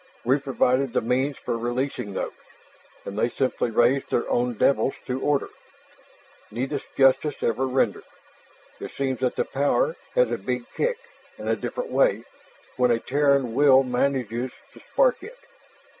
We provided the means for releasing those, and they simply raised their own devils to order. Neatest justice ever rendered. It seems that the 'power' has a big kick in a different way when a Terran will manages to spark it."